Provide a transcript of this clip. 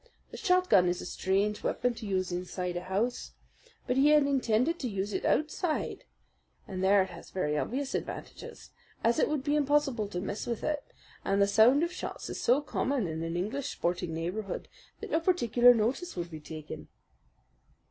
The shotgun is a strange weapon to use inside a house; but he had intended to use it outside, and there it has very obvious advantages, as it would be impossible to miss with it, and the sound of shots is so common in an English sporting neighbourhood that no particular notice would be taken."